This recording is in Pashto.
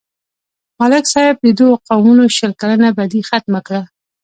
ملک صاحب د دوو قومونو شل کلنه بدي ختمه کړه.